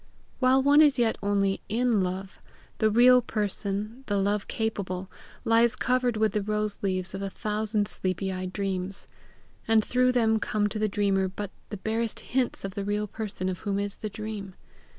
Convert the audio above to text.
While one is yet only IN LOVE, the real person, the love capable, lies covered with the rose leaves of a thousand sleepy eyed dreams, and through them come to the dreamer but the barest hints of the real person of whom is the dream.